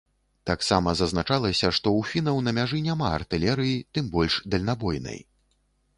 Таксама зазначалася, што ў фінаў на мяжы няма артылерыі, тым больш дальнабойнай.